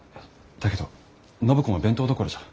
だけど暢子も弁当どころじゃ。